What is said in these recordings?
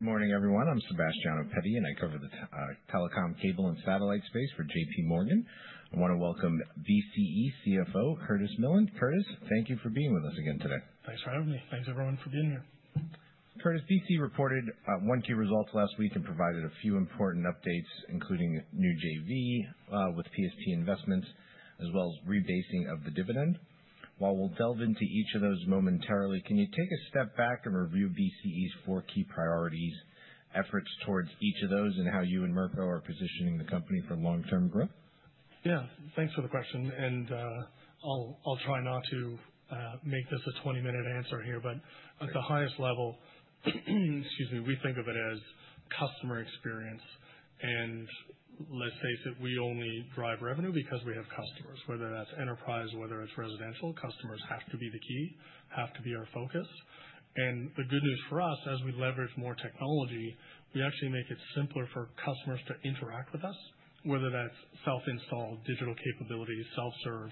Good morning, everyone. I'm Sebastian Opetti, and I cover the telecom, cable, and satellite space for JPMorgan. I want to welcome BCE CFO Curtis Millen. Curtis, thank you for being with us again today. Thanks for having me. Thanks, everyone, for being here. Curtis, BCE reported one key result last week and provided a few important updates, including new JV with PSP Investments, as well as rebasing of the dividend. While we will delve into each of those momentarily, can you take a step back and review BCE's four key priorities, efforts towards each of those, and how you and Mirko are positioning the company for long-term growth? Yeah, thanks for the question. I'll try not to make this a 20-minute answer here, but at the highest level, excuse me, we think of it as customer experience. Let's face it, we only drive revenue because we have customers. Whether that's enterprise, whether it's residential, customers have to be the key, have to be our focus. The good news for us, as we leverage more technology, we actually make it simpler for customers to interact with us, whether that's self-installed digital capabilities, self-serve.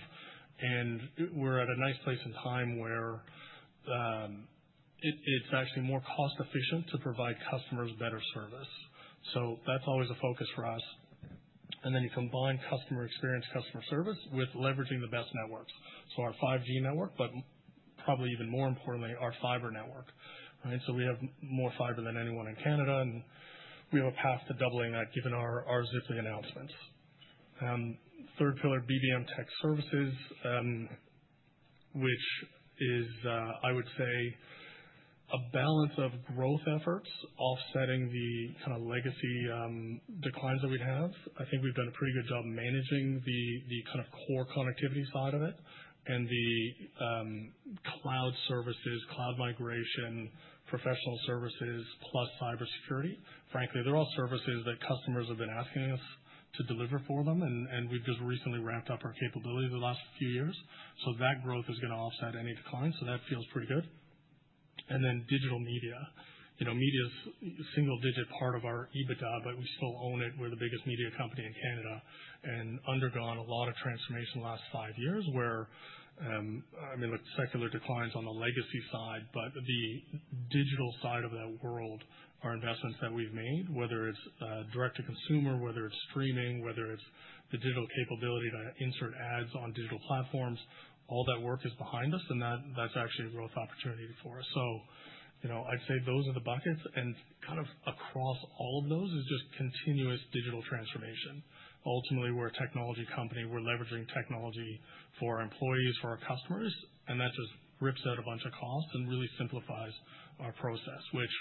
We're at a nice place in time where it's actually more cost-efficient to provide customers better service. That's always a focus for us. You combine customer experience, customer service with leveraging the best networks. Our 5G network, but probably even more importantly, our fiber network. We have more fiber than anyone in Canada, and we have a path to doubling that given our Ziply announcements. Third pillar, BBM Tech Services, which is, I would say, a balance of growth efforts offsetting the kind of legacy declines that we have. I think we've done a pretty good job managing the kind of core connectivity side of it and the cloud services, cloud migration, professional services, plus cybersecurity. Frankly, they're all services that customers have been asking us to deliver for them, and we've just recently ramped up our capabilities the last few years. That growth is going to offset any decline. That feels pretty good. Media is a single-digit part of our EBITDA, but we still own it. We're the biggest media company in Canada and undergone a lot of transformation the last five years where, I mean, look, secular declines on the legacy side, but the digital side of that world, our investments that we've made, whether it's direct-to-consumer, whether it's streaming, whether it's the digital capability to insert ads on digital platforms, all that work is behind us, and that's actually a growth opportunity for us. I'd say those are the buckets. Kind of across all of those is just continuous digital transformation. Ultimately, we're a technology company. We're leveraging technology for our employees, for our customers, and that just rips out a bunch of costs and really simplifies our process, which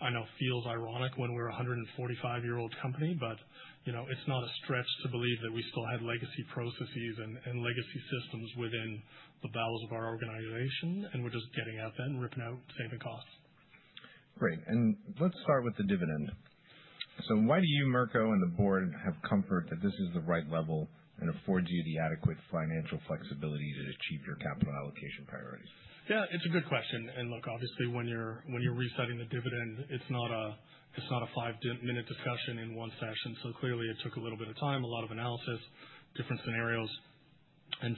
I know feels ironic when we're a 145-year-old company, but it's not a stretch to believe that we still had legacy processes and legacy systems within the bowels of our organization, and we're just getting out there and ripping out saving costs. Great. Let's start with the dividend. Why do you, Mirko, and the board have comfort that this is the right level and affords you the adequate financial flexibility to achieve your capital allocation priorities? Yeah, it's a good question. Look, obviously, when you're resetting the dividend, it's not a five-minute discussion in one session. Clearly, it took a little bit of time, a lot of analysis, different scenarios.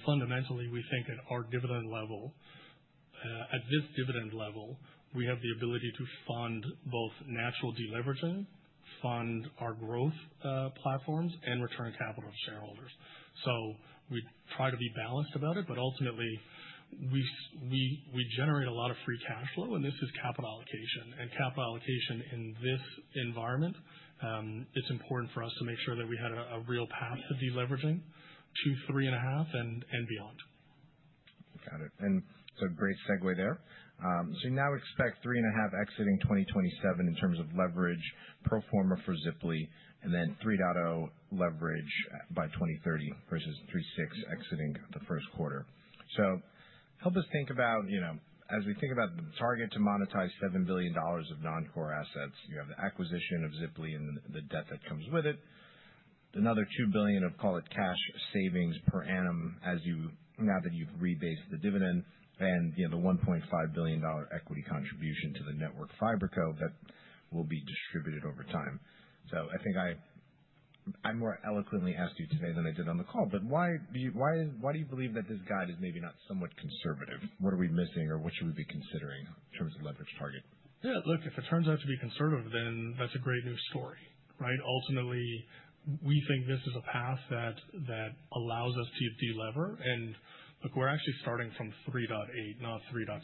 Fundamentally, we think at our dividend level, at this dividend level, we have the ability to fund both natural deleveraging, fund our growth platforms, and return capital to shareholders. We try to be balanced about it, but ultimately, we generate a lot of free cash flow, and this is capital allocation. Capital allocation in this environment, it's important for us to make sure that we had a real path to deleveraging to three and a half and beyond. Got it. Great segue there. You now expect 3.5 exiting 2027 in terms of leverage, pro forma for Ziply, and then 3.0 leverage by 2030 versus 3.6 exiting the first quarter. Help us think about, as we think about the target to monetize 7 billion dollars of non-core assets, you have the acquisition of Ziply and the debt that comes with it, another 2 billion of, call it, cash savings per annum now that you've rebased the dividend and the 1.5 billion dollar equity contribution to Network FiberCo that will be distributed over time. I think I more eloquently asked you today than I did on the call, but why do you believe that this guide is maybe not somewhat conservative? What are we missing, or what should we be considering in terms of leverage target? Yeah, look, if it turns out to be conservative, then that's a great new story. Ultimately, we think this is a path that allows us to deliver. Look, we're actually starting from 3.8, not 3.6.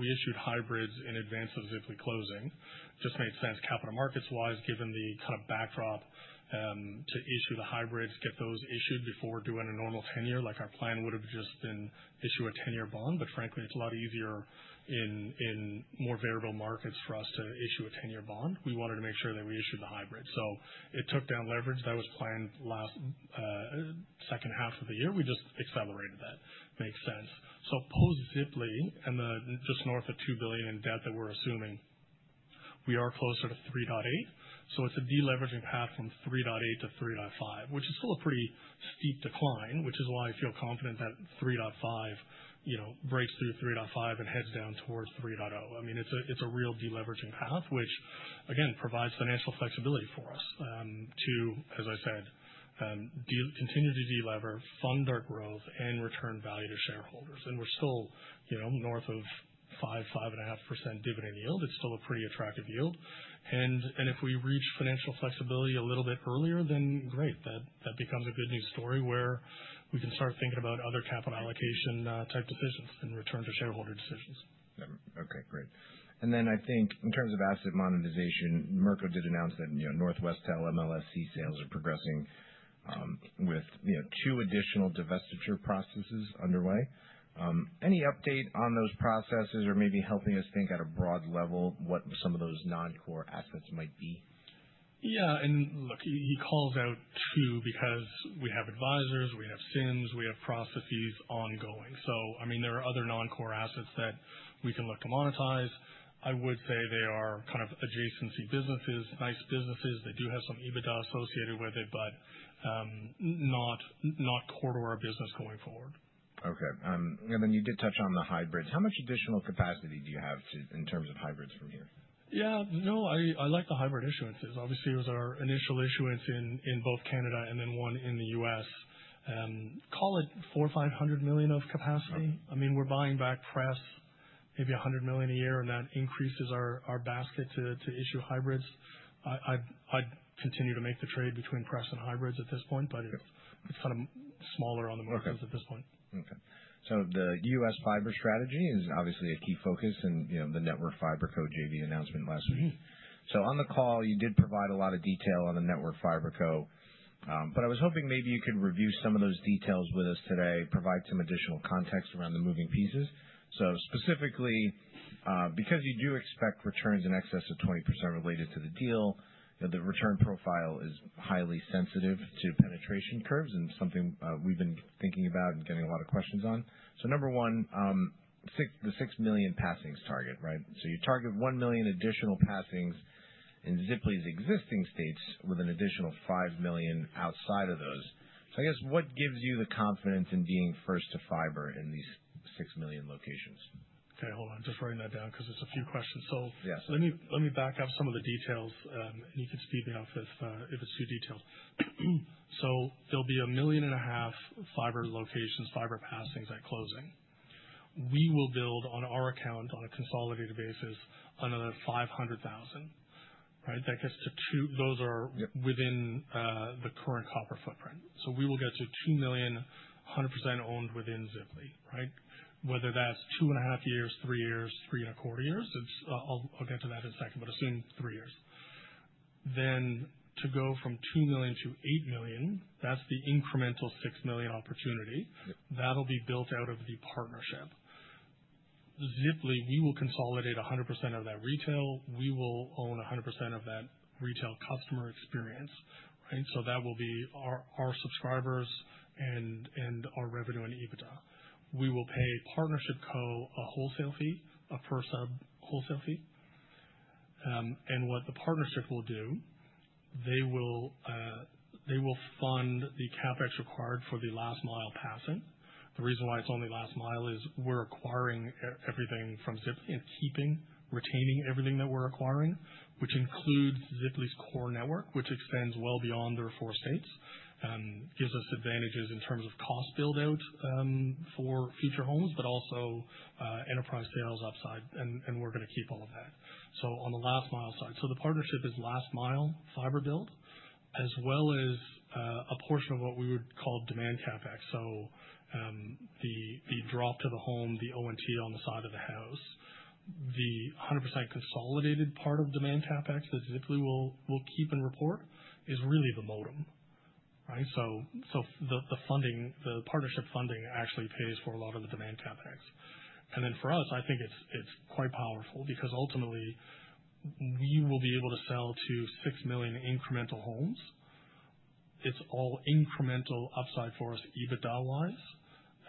We issued hybrids in advance of Ziply closing. Just made sense, capital markets-wise, given the kind of backdrop to issue the hybrids, get those issued before doing a normal 10-year. Like our plan would have just been issue a 10-year bond, but frankly, it's a lot easier in more variable markets for us to issue a 10-year bond. We wanted to make sure that we issued the hybrid. It took down leverage. That was planned last second half of the year. We just accelerated that. Makes sense. Post-Ziply and just north of 2 billion in debt that we're assuming, we are closer to 3.8. It's a deleveraging path from 3.8 to 3.5, which is still a pretty steep decline, which is why I feel confident that 3.5 breaks through 3.5 and heads down towards 3.0. I mean, it's a real deleveraging path, which, again, provides financial flexibility for us to, as I said, continue to deliver, fund our growth, and return value to shareholders. We're still north of 5-5.5% dividend yield. It's still a pretty attractive yield. If we reach financial flexibility a little bit earlier, then great. That becomes a good news story where we can start thinking about other capital allocation type decisions and return to shareholder decisions. Okay, great. I think in terms of asset monetization, Mirko did announce that Northwestel and MLSE sales are progressing with two additional divestiture processes underway. Any update on those processes or maybe helping us think at a broad level what some of those non-core assets might be? Yeah. Look, he calls out two because we have advisors, we have CIMs, we have processes ongoing. I mean, there are other non-core assets that we can look to monetize. I would say they are kind of adjacency businesses, nice businesses. They do have some EBITDA associated with it, but not core to our business going forward. Okay. You did touch on the hybrids. How much additional capacity do you have in terms of hybrids from here? Yeah. No, I like the hybrid issuances. Obviously, it was our initial issuance in both Canada and then one in the U.S. Call it 4,500 million of capacity. I mean, we're buying back press, maybe 100 million a year, and that increases our basket to issue hybrids. I'd continue to make the trade between press and hybrids at this point, but it's kind of smaller on the margins at this point. Okay. The U.S. fiber strategy is obviously a key focus in the Network FiberCo JV announcement last week. On the call, you did provide a lot of detail on the Network FiberCo, but I was hoping maybe you could review some of those details with us today, provide some additional context around the moving pieces. Specifically, because you do expect returns in excess of 20% related to the deal, the return profile is highly sensitive to penetration curves and something we've been thinking about and getting a lot of questions on. Number one, the 6 million passings target, right? You target 1 million additional passings in Ziply's existing states with an additional 5 million outside of those. I guess what gives you the confidence in being first to fiber in these 6 million locations? Okay, hold on. Just writing that down because it's a few questions. Let me back up some of the details, and you can speed me up if it's too detailed. There will be 1.5 million fiber locations, fiber passings at closing. We will build on our account on a consolidated basis another 500,000, right? That gets to two. Those are within the current copper footprint. We will get to 2 million, 100% owned within Ziply, right? Whether that's two and a half years, three years, three and a quarter years, I'll get to that in a second, but assume three years. To go from 2 million to 8 million, that's the incremental 6 million opportunity. That will be built out of the partnership. Ziply, we will consolidate 100% of that retail. We will own 100% of that retail customer experience, right? That will be our subscribers and our revenue and EBITDA. We will pay partnership co a wholesale fee, a per sub wholesale fee. What the partnership will do, they will fund the CapEx required for the last mile passing. The reason why it is only last mile is we are acquiring everything from Ziply and keeping, retaining everything that we are acquiring, which includes Ziply's core network, which extends well beyond their four states, gives us advantages in terms of cost build-out for future homes, but also enterprise sales upside, and we are going to keep all of that. On the last mile side, the partnership is last mile fiber build, as well as a portion of what we would call demand CapEx. The drop to the home, the ONT on the side of the house, the 100% consolidated part of demand CapEx that Ziply will keep and report is really the modem, right? The partnership funding actually pays for a lot of the demand CapEx. For us, I think it's quite powerful because ultimately we will be able to sell to 6 million incremental homes. It's all incremental upside for us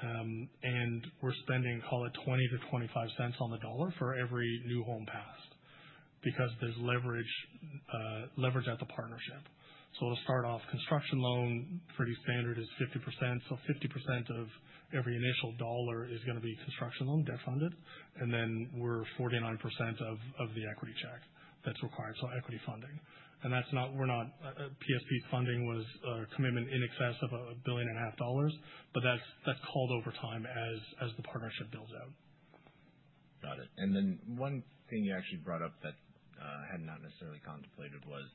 EBITDA-wise. We're spending, call it, 0.20-0.25 on the dollar for every new home passed because there's leverage at the partnership. It'll start off construction loan. Pretty standard is 50%. So 50% of every initial dollar is going to be construction loan, debt funded. We're 49% of the equity check that's required. Equity funding. We're not. PSP Investments' funding was a commitment in excess of 1.5 billion, but that's called over time as the partnership builds out. Got it. One thing you actually brought up that I had not necessarily contemplated was,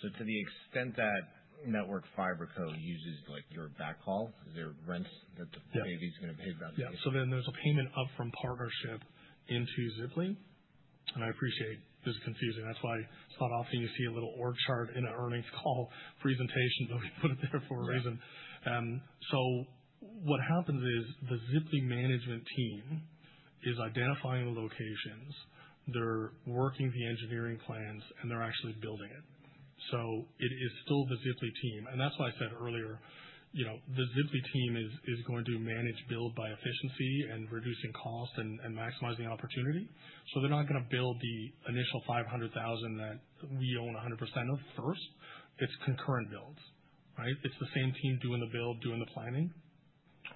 to the extent that Network FiberCo uses your backhaul, is there rents that the JV is going to pay about? Yeah. There is a payment up from partnership into Ziply. I appreciate this is confusing. That is why it is not often you see a little org chart in an earnings call presentation, but we put it there for a reason. What happens is the Ziply management team is identifying the locations. They are working the engineering plans, and they are actually building it. It is still the Ziply team. That is why I said earlier, the Ziply team is going to manage build by efficiency and reducing cost and maximizing opportunity. They are not going to build the initial 500,000 that we own 100% of first. It is concurrent builds, right? It is the same team doing the build, doing the planning.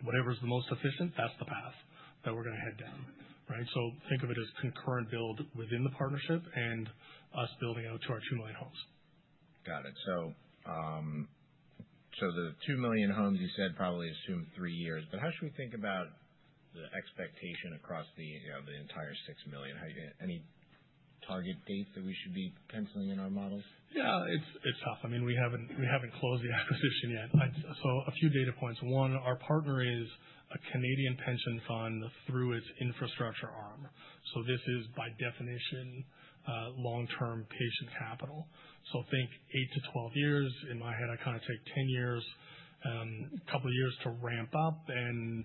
Whatever is the most efficient, that is the path that we are going to head down, right? Think of it as concurrent build within the partnership and us building out to our 2 million homes. Got it. The 2 million homes you said probably assume three years. How should we think about the expectation across the entire 6 million? Any target date that we should be penciling in our models? Yeah, it's tough. I mean, we haven't closed the acquisition yet. A few data points. One, our partner is a Canadian pension fund through its infrastructure arm. This is by definition long-term patient capital. Think 8-12 years. In my head, I kind of take 10 years, a couple of years to ramp up, and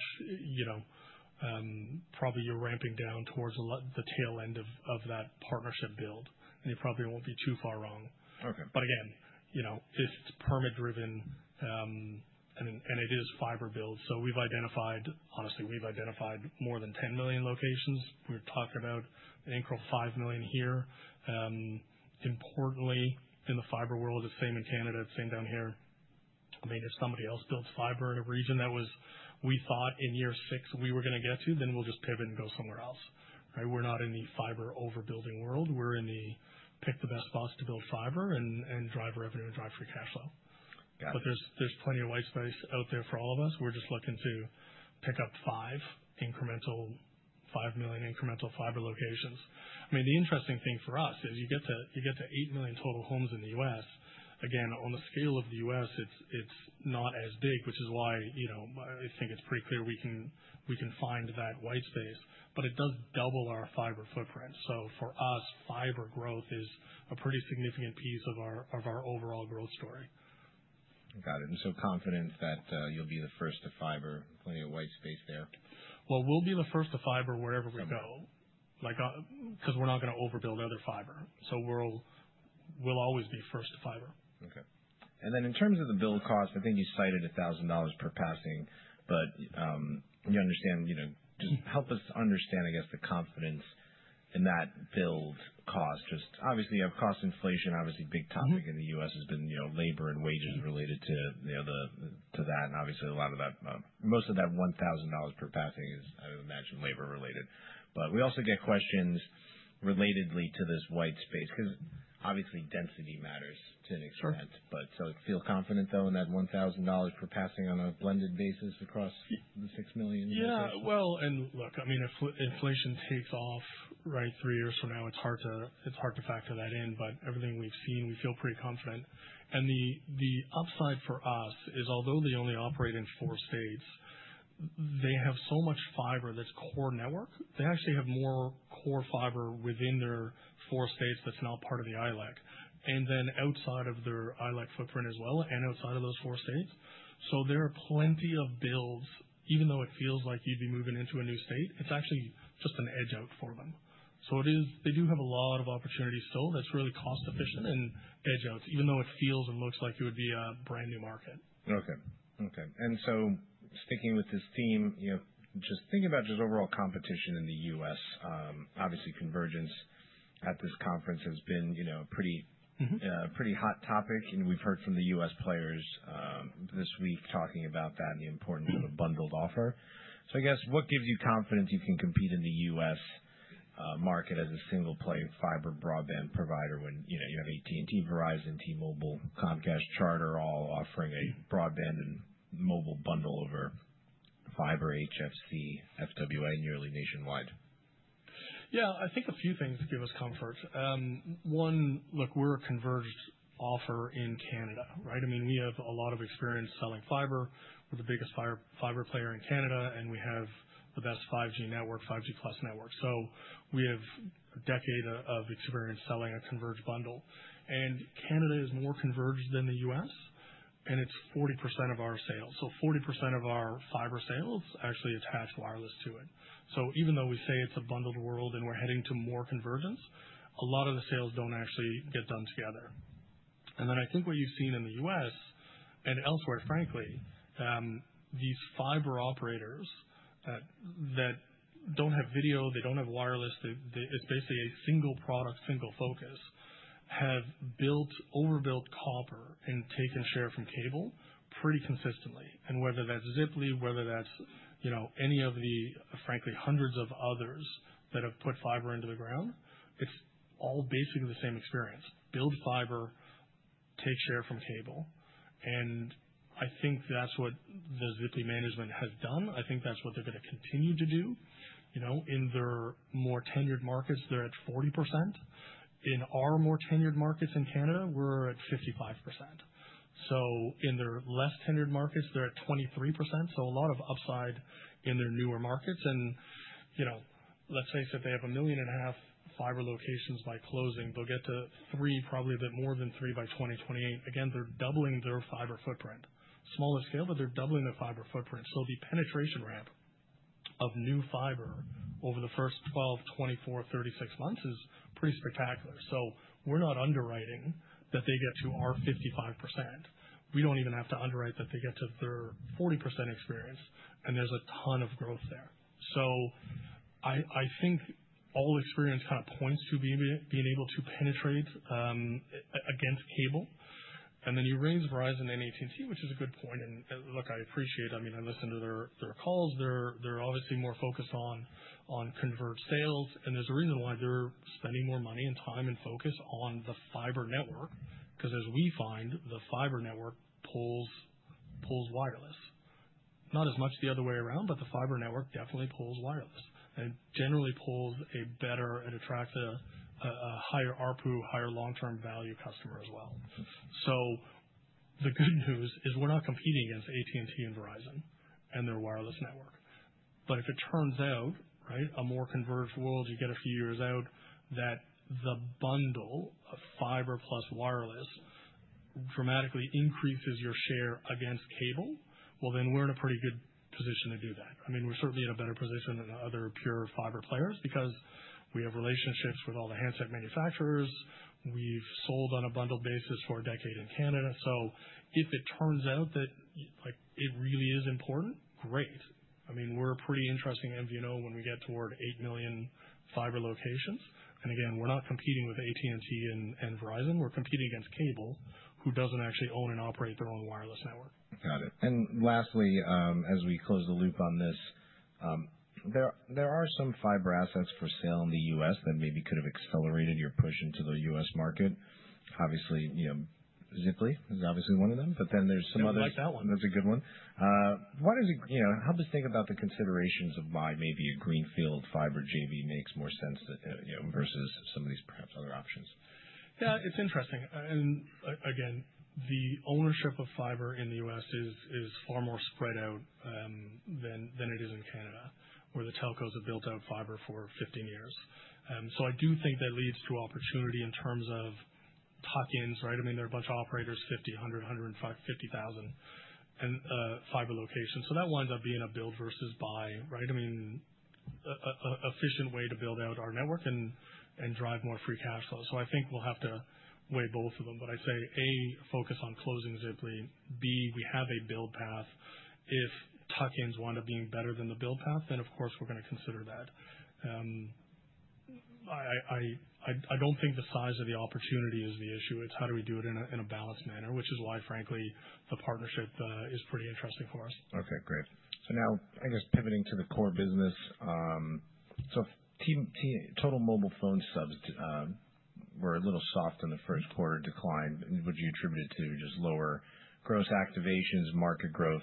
probably you're ramping down towards the tail end of that partnership build. You probably won't be too far wrong. Again, it's permit-driven, and it is fiber build. Honestly, we've identified more than 10 million locations. We're talking about an incremental 5 million here. Importantly, in the fiber world, it's the same in Canada, it's the same down here. I mean, if somebody else builds fiber in a region that was, we thought in year six, we were going to get to, then we'll just pivot and go somewhere else, right? We're not in the fiber overbuilding world. We're in the pick the best spots to build fiber and drive revenue and drive free cash flow. There is plenty of white space out there for all of us. We're just looking to pick up five million incremental fiber locations. I mean, the interesting thing for us is you get to eight million total homes in the U.S. Again, on the scale of the U.S., it's not as big, which is why I think it's pretty clear we can find that white space. It does double our fiber footprint. For us, fiber growth is a pretty significant piece of our overall growth story. Got it. Confidence that you'll be the first to fiber, plenty of white space there. We'll be the first to fiber wherever we go because we're not going to overbuild other fiber. So we'll always be first to fiber. Okay. In terms of the build cost, I think you cited $1,000 per passing, but you understand, just help us understand, I guess, the confidence in that build cost. Obviously, you have cost inflation. Obviously, a big topic in the U.S. has been labor and wages related to that. Obviously, a lot of that, most of that $1,000 per passing is, I would imagine, labor related. We also get questions relatedly to this white space because density matters to an extent. Do you feel confident though in that $1,000 per passing on a blended basis across the 6 million? Yeah. Look, I mean, if inflation takes off, right, three years from now, it's hard to factor that in, but everything we've seen, we feel pretty confident. The upside for us is, although they only operate in four states, they have so much fiber that's core network. They actually have more core fiber within their four states that's now part of the ILEC. Outside of their ILEC footprint as well and outside of those four states, there are plenty of builds. Even though it feels like you'd be moving into a new state, it's actually just an edge out for them. They do have a lot of opportunities still that's really cost-efficient and edge outs, even though it feels and looks like it would be a brand new market. Okay. Okay. Sticking with this theme, just thinking about just overall competition in the U.S., obviously convergence at this conference has been a pretty hot topic. We've heard from the U.S. players this week talking about that and the importance of a bundled offer. I guess what gives you confidence you can compete in the U.S. market as a single-play fiber broadband provider when you have AT&T, Verizon, T-Mobile, Comcast, Charter all offering a broadband and mobile bundle over fiber, HFC, FWA, nearly nationwide? Yeah. I think a few things give us comfort. One, look, we're a converged offer in Canada, right? I mean, we have a lot of experience selling fiber. We're the biggest fiber player in Canada, and we have the best 5G network, 5G+ network. We have a decade of experience selling a converged bundle. Canada is more converged than the U.S., and it's 40% of our sales. 40% of our fiber sales actually attach wireless to it. Even though we say it's a bundled world and we're heading to more convergence, a lot of the sales don't actually get done together. I think what you've seen in the U.S. and elsewhere, frankly, these fiber operators that don't have video, they don't have wireless, it's basically a single product, single focus, have overbuilt copper and taken share from cable pretty consistently. Whether that's Ziply, whether that's any of the, frankly, hundreds of others that have put fiber into the ground, it's all basically the same experience. Build fiber, take share from cable. I think that's what the Ziply management has done. I think that's what they're going to continue to do. In their more tenured markets, they're at 40%. In our more tenured markets in Canada, we're at 55%. In their less tenured markets, they're at 23%. A lot of upside in their newer markets. Let's face it, they have 1.5 million fiber locations by closing. They'll get to three, probably a bit more than three, by 2028. They're doubling their fiber footprint. Smaller scale, but they're doubling their fiber footprint. The penetration ramp of new fiber over the first 12, 24, 36 months is pretty spectacular. We're not underwriting that they get to our 55%. We don't even have to underwrite that they get to their 40% experience, and there's a ton of growth there. I think all experience kind of points to being able to penetrate against cable. You raise Verizon and AT&T, which is a good point. I appreciate, I mean, I listen to their calls. They're obviously more focused on converged sales. There's a reason why they're spending more money and time and focus on the fiber network because, as we find, the fiber network pulls wireless. Not as much the other way around, but the fiber network definitely pulls wireless. It generally pulls a better and attracts a higher ARPU, higher long-term value customer as well. The good news is we're not competing against AT&T and Verizon and their wireless network. If it turns out, right, a more converged world, you get a few years out that the bundle of fiber plus wireless dramatically increases your share against cable, we are in a pretty good position to do that. I mean, we are certainly in a better position than other pure fiber players because we have relationships with all the handset manufacturers. We have sold on a bundled basis for a decade in Canada. If it turns out that it really is important, great. I mean, we are a pretty interesting MVNO when we get toward 8 million fiber locations. Again, we are not competing with AT&T and Verizon. We are competing against cable, who does not actually own and operate their own wireless network. Got it. Lastly, as we close the loop on this, there are some fiber assets for sale in the U.S. that maybe could have accelerated your push into the U.S. market. Obviously, Ziply is obviously one of them, but then there's some other. I like that one. That's a good one. Why does it help us think about the considerations of why maybe a Greenfield fiber JV makes more sense versus some of these perhaps other options? Yeah, it's interesting. Again, the ownership of fiber in the U.S. is far more spread out than it is in Canada, where the telcos have built out fiber for 15 years. I do think that leads to opportunity in terms of tuck-ins, right? I mean, there are a bunch of operators, 50,000, 100,000, 150,000 fiber locations. That winds up being a build versus buy, right? I mean, an efficient way to build out our network and drive more free cash flow. I think we'll have to weigh both of them. I say, A, focus on closing Ziply. B, we have a build path. If tuck-ins wind up being better than the build path, then of course we're going to consider that. I don't think the size of the opportunity is the issue. It's how do we do it in a balanced manner, which is why, frankly, the partnership is pretty interesting for us. Okay. Great. Now, I guess pivoting to the core business. Total mobile phone subs were a little soft in the first quarter decline. Would you attribute it to just lower gross activations, market growth,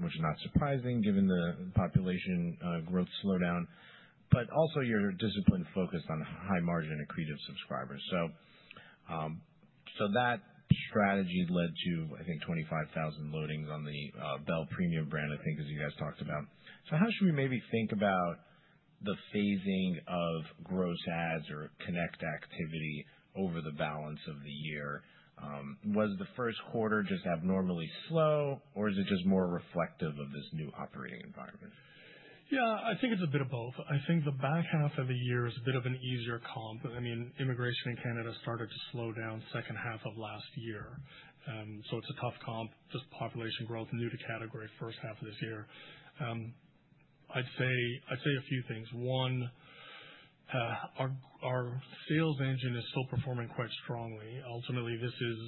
which is not surprising given the population growth slowdown, but also your discipline focused on high margin accretive subscribers? That strategy led to, I think, 25,000 loadings on the Bell Premium brand, I think, as you guys talked about. How should we maybe think about the phasing of gross ads or connect activity over the balance of the year? Was the first quarter just abnormally slow, or is it just more reflective of this new operating environment? Yeah, I think it's a bit of both. I think the back half of the year is a bit of an easier comp. I mean, immigration in Canada started to slow down second half of last year. It's a tough comp, just population growth, new to category, first half of this year. I'd say a few things. One, our sales engine is still performing quite strongly. Ultimately, this is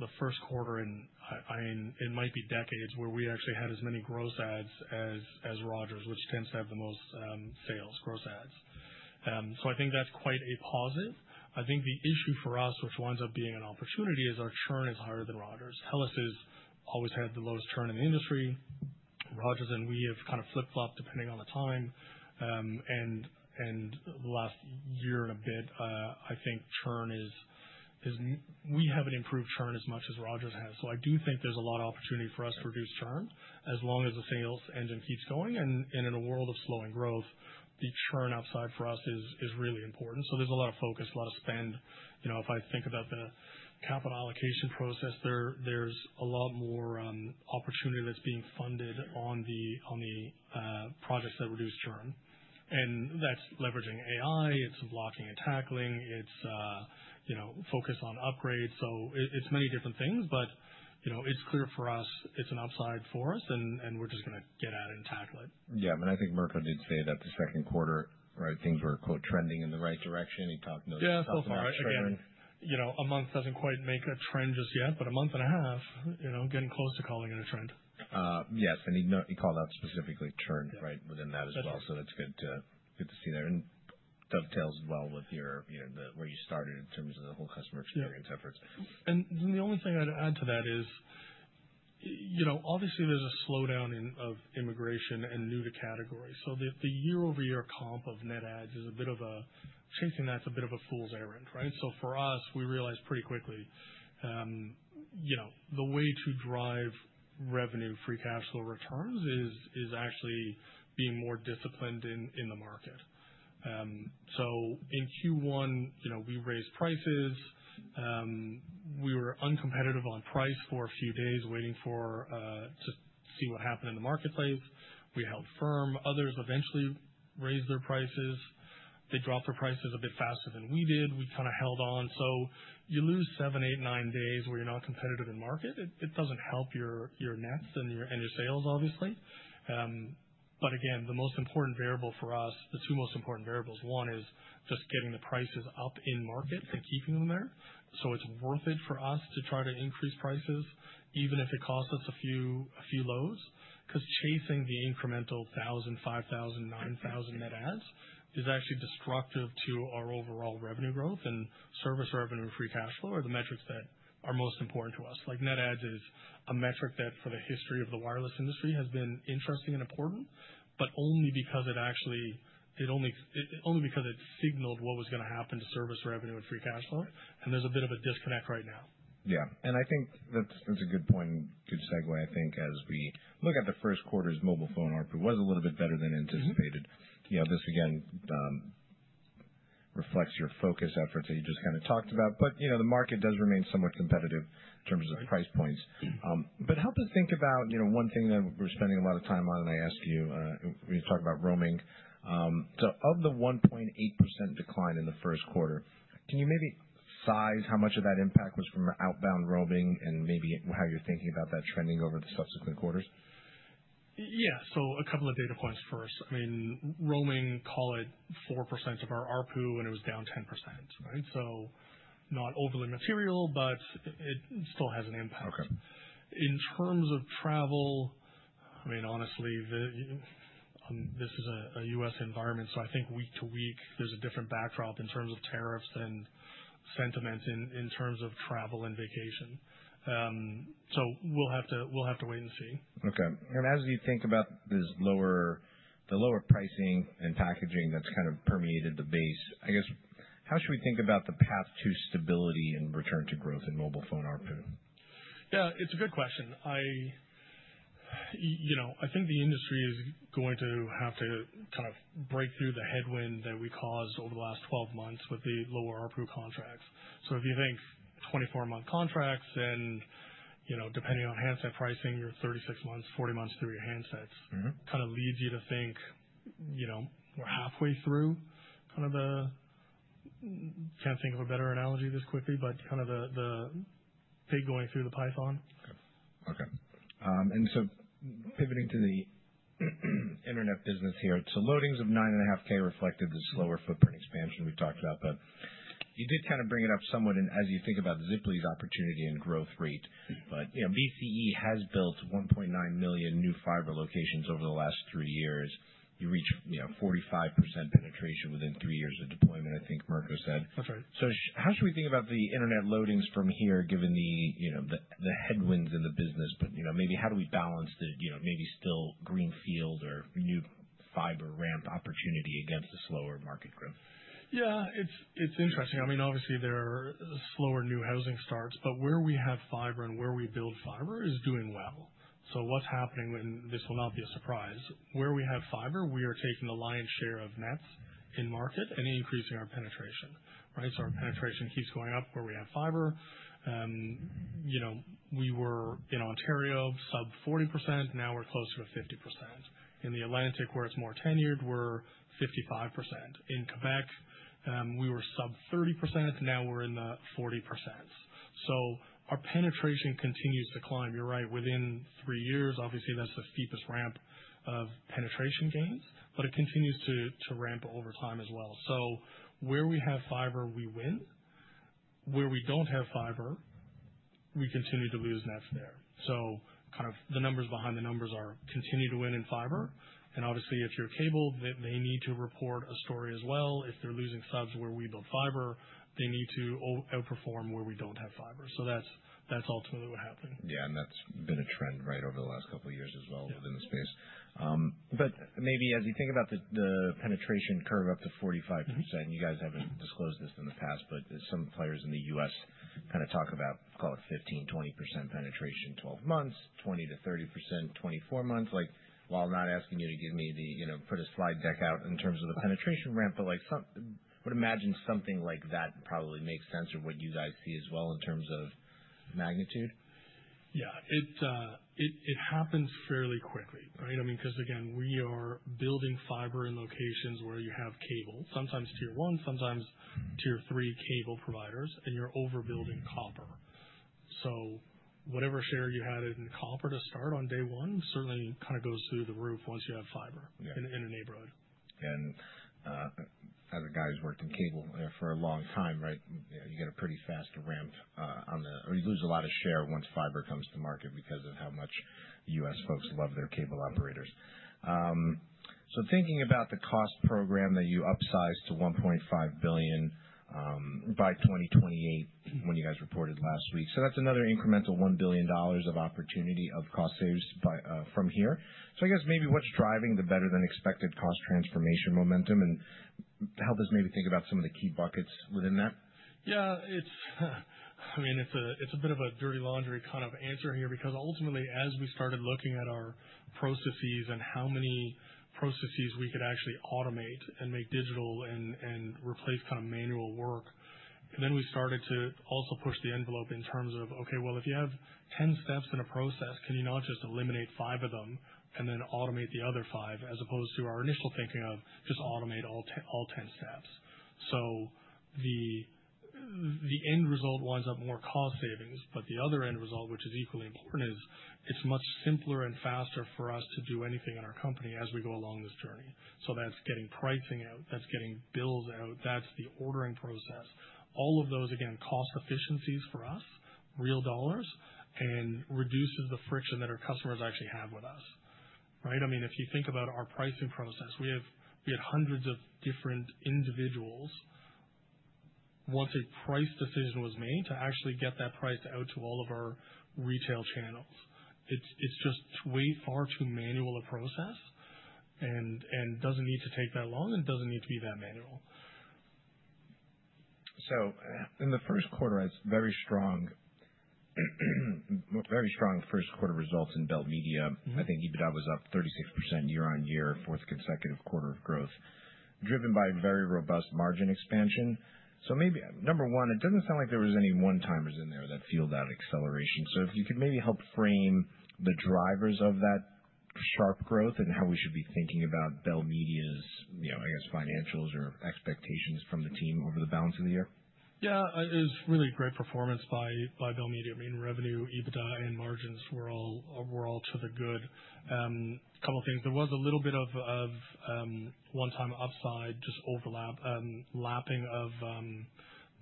the first quarter in, I mean, it might be decades where we actually had as many gross ads as Rogers, which tends to have the most sales, gross ads. I think that's quite a positive. I think the issue for us, which winds up being an opportunity, is our churn is higher than Rogers. TELUS has always had the lowest churn in the industry. Rogers and we have kind of flip-flopped depending on the time. In the last year and a bit, I think churn is we have not improved churn as much as Rogers has. I do think there is a lot of opportunity for us to reduce churn as long as the sales engine keeps going. In a world of slowing growth, the churn upside for us is really important. There is a lot of focus, a lot of spend. If I think about the capital allocation process, there is a lot more opportunity that is being funded on the projects that reduce churn. That is leveraging AI. It is blocking and tackling. It is focus on upgrades. It is many different things, but it is clear for us, it is an upside for us, and we are just going to get at it and tackle it. Yeah. I think Mirko did say that the second quarter, right, things were "trending in the right direction." He talked notes about that. Yeah, so far, again, a month doesn't quite make a trend just yet, but a month and a half, getting close to calling it a trend. Yes. He called out specifically churn, right, within that as well. That is good to see there. It dovetails well with where you started in terms of the whole customer experience efforts. The only thing I'd add to that is, obviously, there's a slowdown of immigration and new to category. The year-over-year comp of net adds is a bit of a chasing that's a bit of a fool's errand, right? For us, we realized pretty quickly the way to drive revenue, free cash flow returns is actually being more disciplined in the market. In Q1, we raised prices. We were uncompetitive on price for a few days waiting to see what happened in the marketplace. We held firm. Others eventually raised their prices. They dropped their prices a bit faster than we did. We kind of held on. You lose seven, eight, nine days where you're not competitive in market. It doesn't help your nets and your sales, obviously. Again, the most important variable for us, the two most important variables, one is just getting the prices up in market and keeping them there. It is worth it for us to try to increase prices, even if it costs us a few lows, because chasing the incremental 1,000, 5,000, 9,000 net ads is actually destructive to our overall revenue growth and service revenue and free cash flow are the metrics that are most important to us. Net ads is a metric that for the history of the wireless industry has been interesting and important, but only because it signaled what was going to happen to service revenue and free cash flow. There is a bit of a disconnect right now. Yeah. I think that's a good point, good segue, I think, as we look at the first quarter's mobile phone ARPU, which was a little bit better than anticipated. This, again, reflects your focused efforts that you just kind of talked about. The market does remain somewhat competitive in terms of price points. Help us think about one thing that we're spending a lot of time on, and I asked you, we talked about roaming. Of the 1.8% decline in the first quarter, can you maybe size how much of that impact was from outbound roaming and maybe how you're thinking about that trending over the subsequent quarters? Yeah. So a couple of data points first. I mean, roaming, call it 4% of our ARPU, and it was down 10%, right? So not overly material, but it still has an impact. In terms of travel, I mean, honestly, this is a U.S. environment, so I think week to week, there's a different backdrop in terms of tariffs and sentiment in terms of travel and vacation. So we'll have to wait and see. Okay. As you think about the lower pricing and packaging that's kind of permeated the base, I guess, how should we think about the path to stability and return to growth in mobile phone ARPU? Yeah, it's a good question. I think the industry is going to have to kind of break through the headwind that we caused over the last 12 months with the lower ARPU contracts. If you think 24-month contracts and depending on handset pricing, you're 36 months, 40 months through your handsets, kind of leads you to think we're halfway through kind of the can't think of a better analogy this quickly, but kind of the pig going through the python. Okay. Pivoting to the internet business here, loadings of 9.5K reflected the slower footprint expansion we talked about, but you did kind of bring it up somewhat as you think about Ziply's opportunity and growth rate. BCE has built 1.9 million new fiber locations over the last three years. You reach 45% penetration within three years of deployment, I think Mirko said. That's right. How should we think about the internet loadings from here, given the headwinds in the business? Maybe how do we balance the maybe still greenfield or new fiber ramp opportunity against the slower market growth? Yeah, it's interesting. I mean, obviously, there are slower new housing starts, but where we have fiber and where we build fiber is doing well. What's happening, and this will not be a surprise, where we have fiber, we are taking the lion's share of nets in market and increasing our penetration, right? Our penetration keeps going up where we have fiber. We were in Ontario sub 40%. Now we're close to 50%. In the Atlantic, where it's more tenured, we're 55%. In Quebec, we were sub 30%. Now we're in the 40%. Our penetration continues to climb. You're right. Within three years, obviously, that's the steepest ramp of penetration gains, but it continues to ramp over time as well. Where we have fiber, we win. Where we don't have fiber, we continue to lose nets there. Kind of the numbers behind the numbers are continue to win in fiber. And obviously, if you're cable, they need to report a story as well. If they're losing subs where we build fiber, they need to outperform where we don't have fiber. That's ultimately what happened. Yeah. That's been a trend, right, over the last couple of years as well within the space. Maybe as you think about the penetration curve up to 45%, you guys haven't disclosed this in the past, but some players in the US kind of talk about, call it 15%-20% penetration, 12 months, 20%-30%, 24 months. While not asking you to give me the put a slide deck out in terms of the penetration ramp, I would imagine something like that probably makes sense of what you guys see as well in terms of magnitude. Yeah. It happens fairly quickly, right? I mean, because again, we are building fiber in locations where you have cable, sometimes tier one, sometimes tier three cable providers, and you're overbuilding copper. So whatever share you had in copper to start on day one, certainly kind of goes through the roof once you have fiber in a neighborhood. As a guy who's worked in cable for a long time, right, you get a pretty fast ramp on the or you lose a lot of share once fiber comes to market because of how much U.S folks love their cable operators. Thinking about the cost program that you upsized to 1.5 billion by 2028 when you guys reported last week, that's another incremental 1 billion dollars of opportunity of cost savings from here. I guess maybe what's driving the better than expected cost transformation momentum and help us maybe think about some of the key buckets within that? Yeah. I mean, it's a bit of a dirty laundry kind of answer here because ultimately, as we started looking at our processes and how many processes we could actually automate and make digital and replace kind of manual work, then we started to also push the envelope in terms of, okay, if you have 10 steps in a process, can you not just eliminate five of them and then automate the other five as opposed to our initial thinking of just automate all 10 steps? The end result winds up more cost savings, but the other end result, which is equally important, is it's much simpler and faster for us to do anything in our company as we go along this journey. That's getting pricing out. That's getting bills out. That's the ordering process. All of those, again, cost efficiencies for us, real dollars, and reduces the friction that our customers actually have with us, right? I mean, if you think about our pricing process, we had hundreds of different individuals once a price decision was made to actually get that price out to all of our retail channels. It is just way far too manual a process and does not need to take that long and does not need to be that manual. In the first quarter, it's very strong. Very strong first quarter results in Bell Media. I think EBITDA was up 36% year on year, fourth consecutive quarter of growth, driven by very robust margin expansion. Maybe number one, it doesn't sound like there were any one-timers in there that feel that acceleration. If you could maybe help frame the drivers of that sharp growth and how we should be thinking about Bell Media's, I guess, financials or expectations from the team over the balance of the year. Yeah. It was really great performance by Bell Media. I mean, revenue, EBITDA, and margins were all to the good. A couple of things. There was a little bit of one-time upside, just overlap, lapping of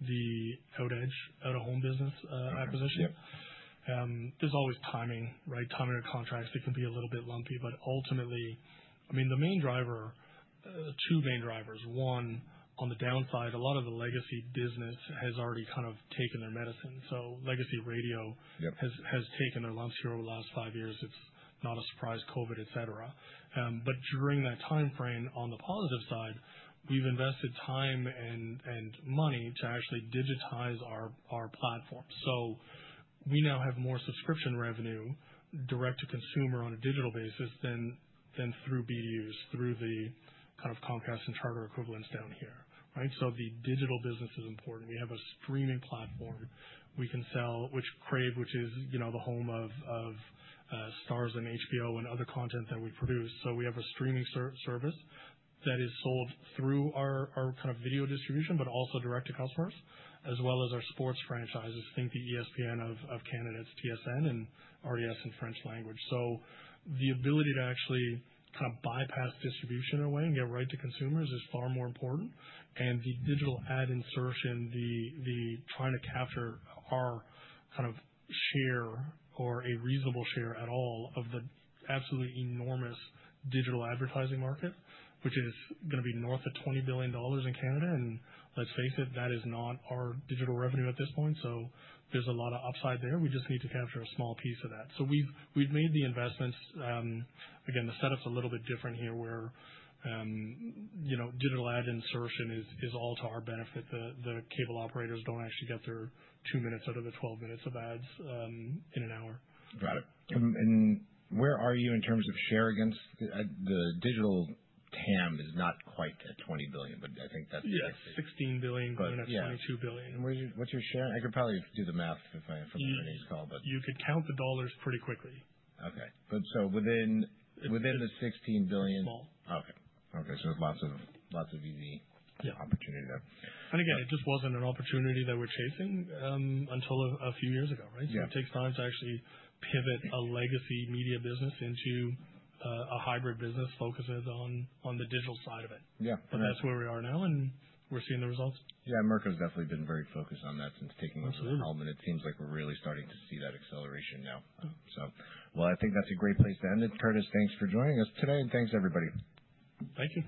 the out-of-home business acquisition. There's always timing, right? Timing of contracts. It can be a little bit lumpy, but ultimately, I mean, the main driver, two main drivers. One, on the downside, a lot of the legacy business has already kind of taken their medicine. So legacy radio has taken their lumps here over the last five years. It's not a surprise, COVID, etc. During that timeframe, on the positive side, we've invested time and money to actually digitize our platform. We now have more subscription revenue direct to consumer on a digital basis than through BDUs, through the kind of Comcast and Charter equivalents down here, right? The digital business is important. We have a streaming platform we can sell, which is Crave, which is the home of Starz and HBO and other content that we produce. We have a streaming service that is sold through our kind of video distribution, but also direct to customers, as well as our sports franchises, think the ESPN of Canada, TSN, and RDS in French language. The ability to actually kind of bypass distribution in a way and get right to consumers is far more important. The digital ad insertion, the trying to capture our kind of share or a reasonable share at all of the absolutely enormous digital advertising market, which is going to be north of 20 billion dollars in Canada. Let's face it, that is not our digital revenue at this point. There is a lot of upside there. We just need to capture a small piece of that. We have made the investments. Again, the setup is a little bit different here where digital ad insertion is all to our benefit. The cable operators do not actually get their 2 minutes out of the 12 minutes of ads in an hour. Got it. Where are you in terms of share against the digital TAM is not quite at 20 billion, but I think that's the. Yeah, 16 billion, then at 22 billion. What is your share? I could probably do the math from the earnings call, but. You could count the dollars pretty quickly. Okay. Within the 16 billion. Small. Okay. Okay. There is lots of easy opportunity there. It just wasn't an opportunity that we're chasing until a few years ago, right? It takes time to actually pivot a legacy media business into a hybrid business focused on the digital side of it. That is where we are now, and we're seeing the results. Yeah. Mirko's definitely been very focused on that since taking over the helm, and it seems like we're really starting to see that acceleration now. I think that's a great place to end it. Curtis, thanks for joining us today, and thanks, everybody. Thank you.